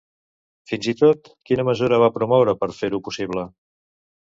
Fins i tot, quina mesura van promoure per fer-ho possible?